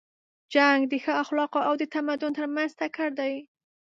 جنګ د ښو اخلاقو او د تمدن تر منځ ټکر دی.